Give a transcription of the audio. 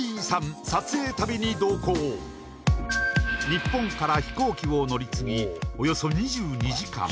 日本から飛行機を乗り継ぎおよそ２２時間